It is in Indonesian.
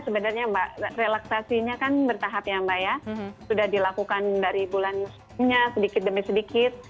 sebenarnya relaksasinya kan bertahap ya mbak ya sudah dilakukan dari bulannya sedikit demi sedikit